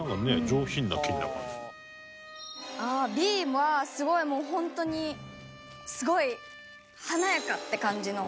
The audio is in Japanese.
Ｂはすごいもう本当にすごい華やかって感じの。